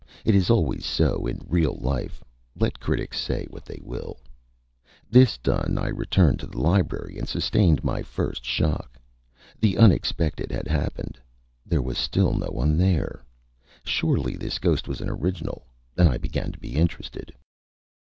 It is always so in real life, let critics say what they will. [Illustration: "THERE WAS NO ONE THERE"] This done, I returned to the library, and sustained my first shock. The unexpected had happened. There was still no one there. Surely this ghost was an original, and I began to be interested.